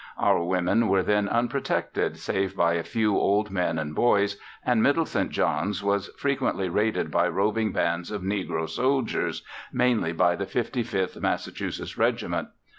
Our women were then unprotected save by a few old men and boys, and Middle St. John's was frequently raided by roving bands of negro soldiers, mainly by the 55th Mass. Regiment.